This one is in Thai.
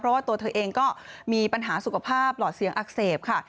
เพราะว่าตัวเธอเองก็มีปัญหาสุขภาพหลอดเสียงอักเสบค่ะ